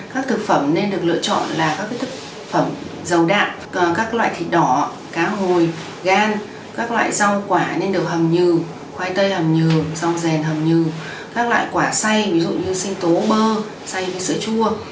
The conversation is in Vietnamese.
các thực phẩm nên được lựa chọn là các thực phẩm dầu đạm các loại thịt đỏ cá hồi gan các loại rau quả nên được hầm nhừ khoai tây hầm nhừ rau rèn hầm nhừ các loại quả xay ví dụ như xinh tố bơ xay với sữa chua